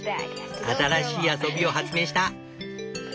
新しい遊びを発明した。